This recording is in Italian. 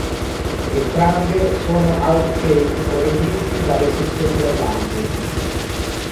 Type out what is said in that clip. Entrambe sono outtake provenienti dalle sessioni dell'album.